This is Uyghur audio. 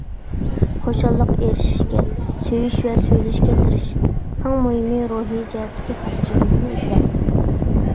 خۇشاللىققا ئېرىشىشكە، سۆيۈش ۋە سۆيۈلۈشكە تىرىش، ئەڭ مۇھىمى، روھىي جەھەتتىكى خاتىرجەملىكنى ئىزدە.